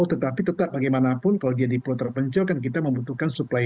tetapi tetap bagaimanapun kalau dia di pulau terpencil kan kita membutuhkan supply